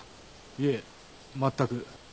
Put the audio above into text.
いえ全く。